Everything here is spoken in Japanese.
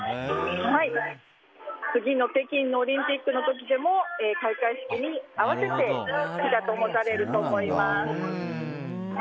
次の北京のオリンピックの時も開会式に合わせて火がともされると思います。